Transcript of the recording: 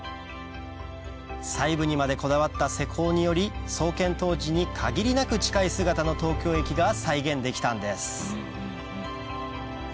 細部にまでこだわった施工により創建当時に限りなく近い姿の東京駅が再現できたんです